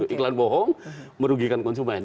iklan bohong merugikan konsumen